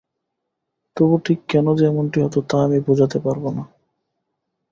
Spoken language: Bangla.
তবু ঠিক কেন যে এমনটি হত, তা আমি বোঝাতে পারব না।